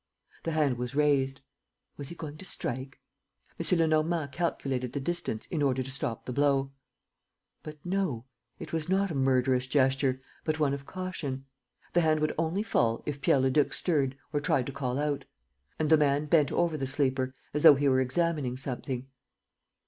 The hand was raised. Was he going to strike? M. Lenormand calculated the distance in order to stop the blow. ... But no, it was not a murderous gesture, but one of caution. The hand would only fall if Pierre Leduc stirred or tried to call out. And the man bent over the sleeper, as though he were examining something.